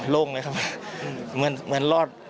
โล่งเลยครับ